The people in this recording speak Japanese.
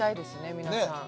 皆さん。